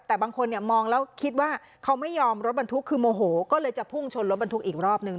แต่บางคนเนี่ยมองแล้วคิดว่าเขาไม่ยอมรถบรรทุกคือโมโหก็เลยจะพุ่งชนรถบรรทุกอีกรอบนึง